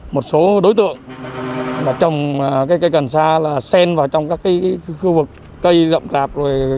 một số đối tượng trồng cây cần xa là sen vào trong các khu vực cây rộng rạp